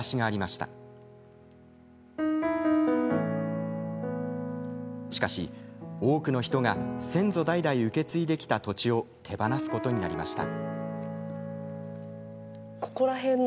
しかし、多くの人が先祖代々受け継いできた土地を手放すことになりました。